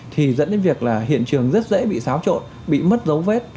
thì dẫn đến việc là hiện trường rất dễ bị xáo trộn bị mất dấu vết